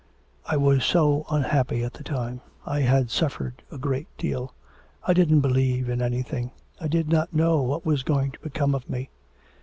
'I was so unhappy at the time. I had suffered a great deal, I didn't believe in anything I did not know what was going to become of me.'